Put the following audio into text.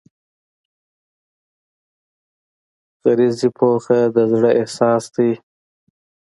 غریزي پوهه د زړه احساس دی.